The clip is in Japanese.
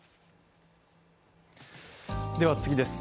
では次です